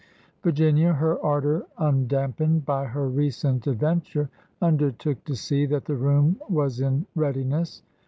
Virginia, her ardor undampened by her recent adven ture, undertook to see that the room was in readiness.